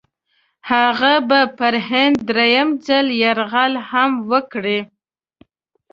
هغه به پر هند درېم ځل یرغل هم وکړي.